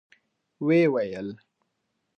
ويې ويل: